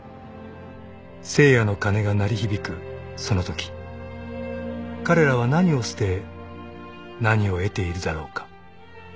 ［聖夜の鐘が鳴り響くそのとき彼らは何を捨て何を得ているだろうか］